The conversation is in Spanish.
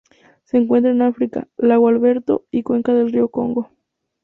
Se encuentran en África: lago Alberto y cuenca del río Congo.